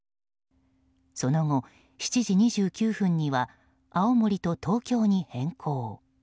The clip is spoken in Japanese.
その後７時２９分には青森と東京に変更。